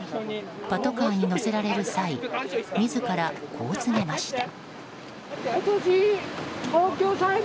パトカーに乗せられる際自らこう告げました。